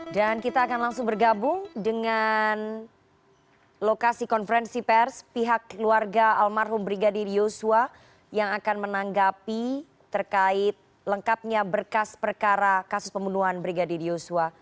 dan kita akan langsung bergabung dengan lokasi konferensi pers pihak keluarga almarhum brigadir yusua yang akan menanggapi terkait lengkapnya berkas perkara kasus pembunuhan brigadir yusua